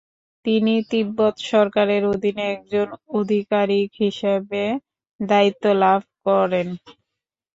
তিনি তিব্বত সরকারের অধীনে একজন আধিকারিক হিসেবে দায়িত্ব লাভ করেন।